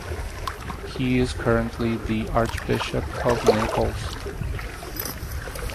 He is currently the Archbishop of Naples.